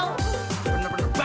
udah gak mau tau siapa